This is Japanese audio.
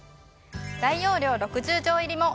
大容量６０錠入りも。